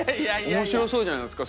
面白そうじゃないですか？